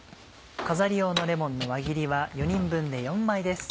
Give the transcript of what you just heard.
飾り用のレモンの輪切りは４人分で４枚です。